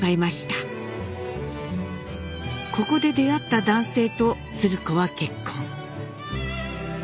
ここで出会った男性と鶴子は結婚。